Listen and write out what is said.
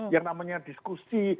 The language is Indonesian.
yang namanya diskusi